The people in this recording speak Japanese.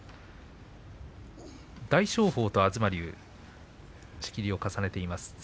大翔鵬と東龍仕切りを重ねています。